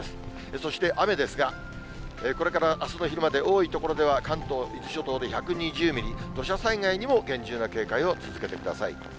そして雨ですが、これからあすの昼まで、多い所では、関東、伊豆諸島で１２０ミリ、土砂災害にも厳重な警戒を続けてください。